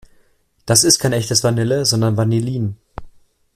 Das ist kein echtes Vanille, sondern Vanillin.